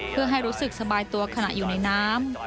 เพื่อให้รู้สึกสบายตัวขณะอยู่ในน้ำ